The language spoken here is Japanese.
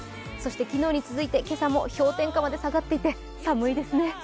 昨日に続いて今朝も氷点下まで下がっていて寒いですね。